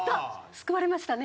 救われましたね。